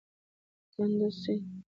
کندز سیند د افغانانو د ګټورتیا یوه برخه ده.